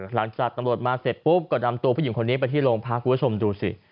หลังจากตำรวจมาเสร็จปุ๊บก็นำตัวผู้หญิงคนนี้ไปที่โรงพักคุณผู้ชมดูสิ